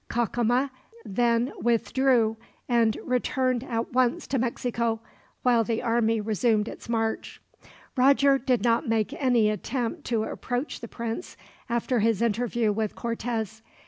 Cacama then withdrew, and returned at once to Mexico, while the army resumed its march. Roger did not make any attempt to approach the prince, after his interview with Cortez.